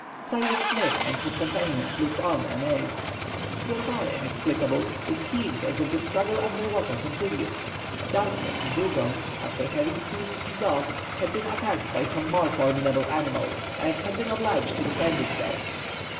Cyrus Smith and his companions looked on amazed. Still more inexplicable, it seemed as if the struggle under water continued. Doubtless the dugong, after having seized the dog, had been attacked by some more formidable animal, and had been obliged to defend itself.